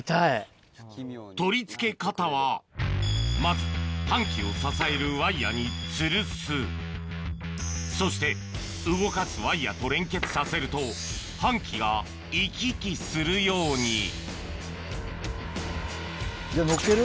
取り付け方はまず搬器を支えるワイヤにつるすそして動かすワイヤと連結させると搬器が行き来するようにのっける？